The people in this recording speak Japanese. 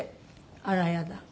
あらやだ。